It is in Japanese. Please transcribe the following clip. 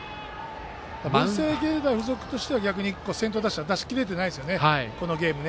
文星芸大付属としては逆に先頭打者、出しきれてないですね